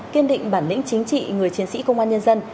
kiên định bản lĩnh chính trị người chiến sĩ công an nhân dân